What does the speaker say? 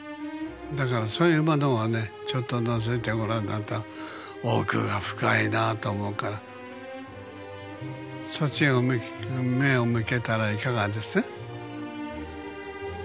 だからそういうものをねちょっとのぞいてご覧になると奥が深いなあって思うからそっちを目を向けたらいかがです？